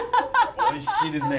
おいしいですね。